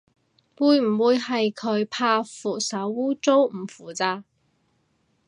會唔會係佢怕扶手污糟唔扶咋